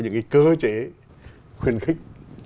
những cái cơ chế khuyến khích